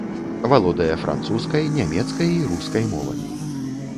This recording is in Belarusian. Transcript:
Валодае французскай, нямецкай і рускай мовамі.